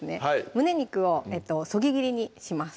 胸肉をそぎ切りにします